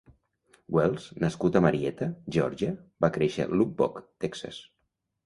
Wells, nascut a Marietta, Geòrgia, va créixer a Lubbock, Texas.